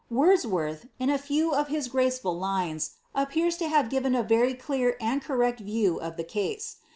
Wordsworth, in a few of his graceful lines, appears to have given a very dear and correct view of the case.